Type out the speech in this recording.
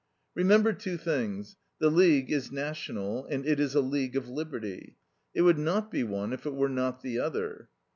"Remember two things: the League is National, and it is a League of Liberty. It would not be one if it were not the other.